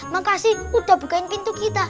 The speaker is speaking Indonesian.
makasih udah bukain pintu kita